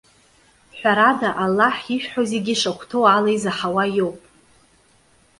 Ҳәарада, Аллаҳ ишәҳәо зегьы ишахәҭоу ала изаҳауа иоуп.